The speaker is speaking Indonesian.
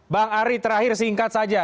bang ari terakhir singkat saja